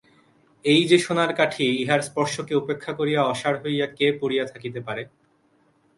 এ যে সোনার কাঠি–ইহার স্পর্শকে উপেক্ষা করিয়া অসাড় হইয়া কে পড়িয়া থাকিতে পারে!